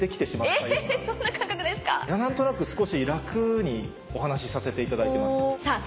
いや何となく少し楽にお話しさせていただいています。さぁ